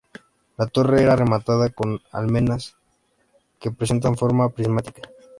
La torre está rematada con almenas que presentan forma prismática.